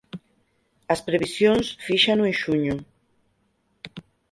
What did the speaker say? As previsións fíxano en xuño.